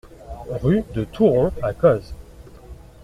Rue de Touron à Cozes